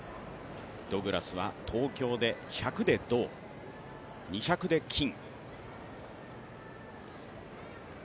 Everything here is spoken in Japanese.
ド・グラスは東京で１００ｍで銅２００で金。